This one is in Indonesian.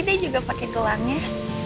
dia juga pakai gelombangnya